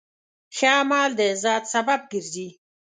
ښه عمل د عزت سبب ګرځي.